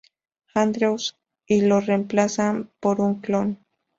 Andrews y lo reemplazan por un clon.